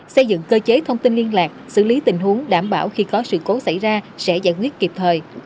xây dựng cơ chế thông tin liên lạc xử lý tình huống đảm bảo khi có sự cố xảy ra sẽ giải quyết kịp thời